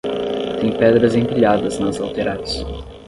Tem pedras empilhadas nas laterais.